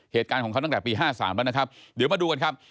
เหตุการณ์ของเขาตั้งแต่ปี๕๓แล้วนะครับเดี๋ยวมาดูกันครับ